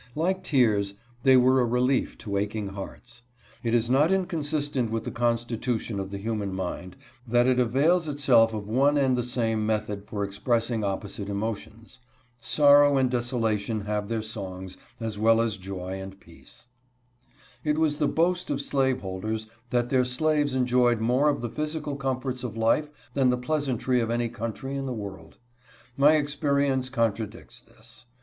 Like tears, they were a relief to aching hearts. It is not in consistent with the constitution of the human mind that it avails itself of one and the same method for express ing opposite emotions. Sorrow and desolation have their songs, as well as joy and peace. It was the boast of slaveholders that their slaves enjoyed more of the physical comforts of life than the peasantry of any country in the world. My experience contradicts this.